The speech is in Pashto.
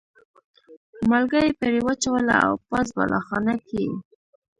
مالګه یې پرې واچوله او پاس بالاخانه کې یې.